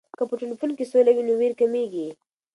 که په ټولنه کې سوله وي، نو ویر کمېږي.